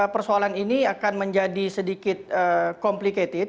persoalan ini akan menjadi sedikit complicated